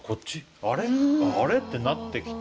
あれ？ってなってきて。